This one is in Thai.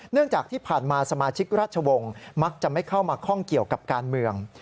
จากที่ผ่านมาสมาชิกราชวงศ์มักจะไม่เข้ามาข้องเกี่ยวกับการเมือง